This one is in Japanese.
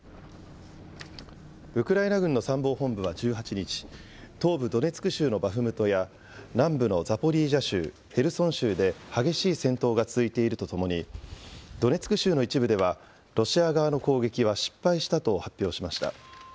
ウクライナ軍の参謀本部は１８日、東部ドネツク州のバフムトや、南部のザポリージャ州、ヘルソン州で激しい戦闘が続いているとともに、ドネツク州の一部では、ロシア側の攻撃は失敗したと発表しました。